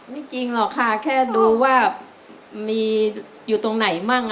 จริงหรอกค่ะแค่ดูว่ามีอยู่ตรงไหนมั่ง